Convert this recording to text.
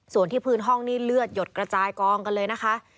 ส่วนที่พื้นห้องนี่เลือดหยดกระจายกองกันเลยนะคะ